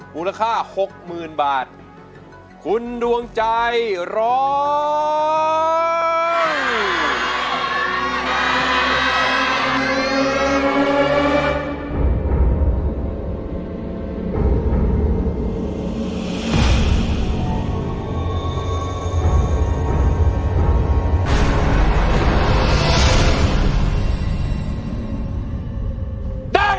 มูลค่าหกหมื่นบาทคุณดวงใจร้อง